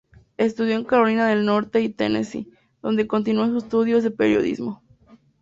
Estudio en Carolina del Norte y Tennessee, donde continuo sus estudios de Periodismo.